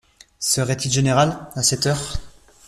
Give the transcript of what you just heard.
Serait-il général, à cette heure?